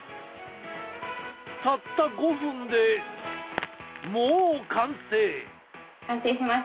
たった５分でもう完成！